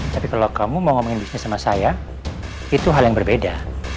tapi kalau kamu mau ngomongin bisnis sama saya itu hal yang berbeda